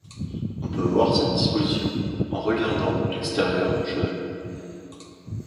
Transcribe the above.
On peut voir cette disposition en regardant l'extérieur du chevet.